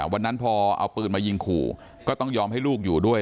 วันนั้นพอเอาปืนมายิงขู่ก็ต้องยอมให้ลูกอยู่ด้วย